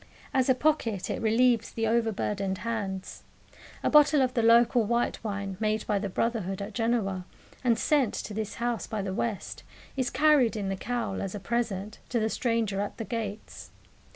As a pocket it relieves the over burdened hands. A bottle of the local white wine made by the brotherhood at Genoa, and sent to this house by the West, is carried in the cowl as a present to the stranger at the gates.